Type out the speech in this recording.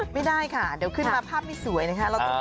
ไม่ได้ค่ะเดี๋ยวขึ้นมาภาพไม่สวยนะคะ